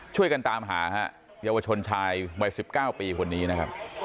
ช่วยกันตามหาฮะเยาวชนชายวัย๑๙ปีคนนี้นะครับ